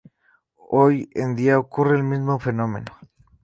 Hoy en día ocurre el mismo fenómeno.